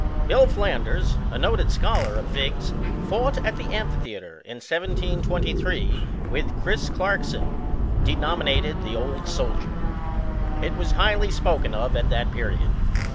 Bill Flanders, a noted scholar of Figg's fought, at the amphitheatre, in 1723, with Chris. Clarkson, denominated the Old Soldier. It was highly spoken of at that period.